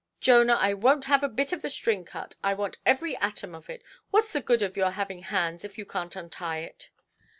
—"Jonah, I wonʼt have a bit of the string cut. I want every atom of it. Whatʼs the good of your having hands if you canʼt untie it"?